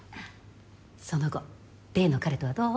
その後例の彼とはどう？